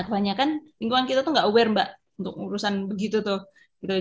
kebanyakan lingkungan kita tuh gak aware mbak untuk urusan begitu tuh